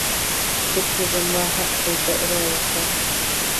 څه چې زما حق وي رایې کړه.